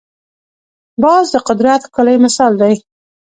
باز د قدرت ښکلی مثال دی